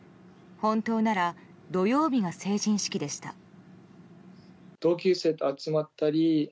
本当なら、土曜日が成人式でした。